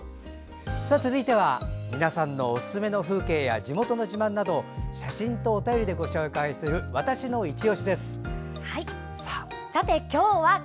続いては、皆さんのおすすめの風景や地元の自慢など写真とお便りでご紹介する「＃わたしのいちオシ」です。